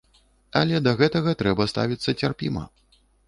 Але да гэтага трэба ставіцца цярпіма.